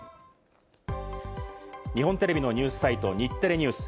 日本テレビのニュースサイト、日テレＮＥＷＳ。